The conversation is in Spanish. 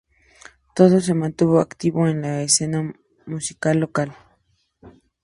Todo se mantuvo activo en la escena musical local.